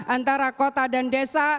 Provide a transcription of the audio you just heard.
antara kota dan desa